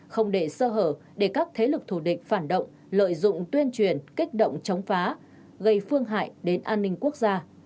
không để sơ hở để các thế lực thù địch phản động lợi dụng tuyên truyền kích động chống phá gây phương hại đến an ninh quốc gia